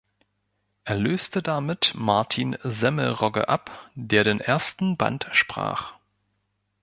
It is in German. Er löste damit Martin Semmelrogge ab, der den ersten Band sprach.